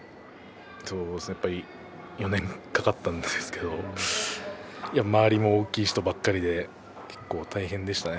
やっぱり４年かかったんですけど周りも大きい人ばかりで結構、大変でしたね。